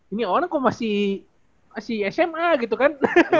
ini orang kok masih sma gitu kan